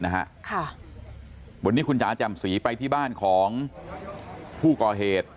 วันนี้คุณจ๋าแจ่มสีไปที่บ้านของผู้ก่อเหตุ